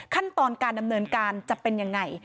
ขั้นตอนการดำเนินการจะเป็นยังไง